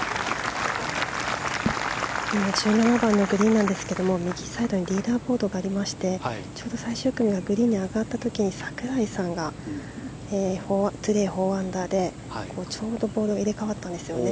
１７番のグリーンなんですが右サイドにリーダーボードがありましてちょうど最終組がグリーンに上がった時に櫻井さんがトゥデー４アンダーでちょうどボードが入れ替わったんですよね。